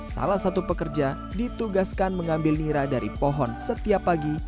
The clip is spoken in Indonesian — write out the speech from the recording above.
salah satu pekerja ditugaskan mengambil nira dari pohon setiap pagi